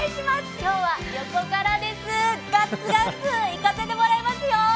今日は横からです、ガッツ、ガッツ、いかせてもらいますよ。